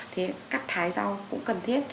thì cắt thái rau cũng cần thiết